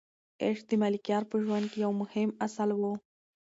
عشق د ملکیار په ژوند کې یو مهم اصل و.